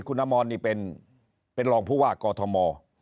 คุณอมรนี่เป็นรองผู้ว่ากอทม